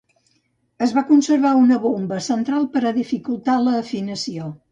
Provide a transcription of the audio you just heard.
Es va conservar una bomba central per a dificultar l'afinació.